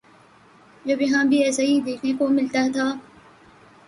جب یہاں بھی ایسا ہی دیکھنے کو ملتا تھا۔